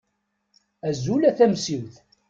Azul a Tamsiwt.